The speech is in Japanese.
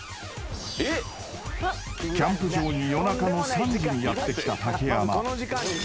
［キャンプ場に夜中の３時にやって来た竹山］